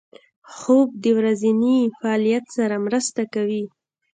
خوب د ورځني فعالیت سره مرسته کوي